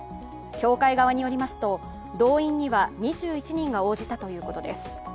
協会側によりますと、動員には２１人が応じたということです。